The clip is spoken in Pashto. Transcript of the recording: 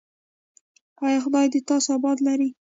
ایا خدای دې تاسو اباد لري؟